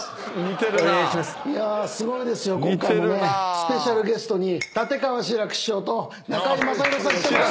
スペシャルゲストに立川志らく師匠と中居正広さん来てます！